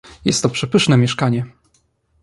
"jest to przepyszne mieszkanie."